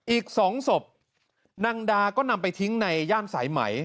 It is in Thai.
อีก๒ศพนางดาก็นำไปทิ้งในย่านสายไหม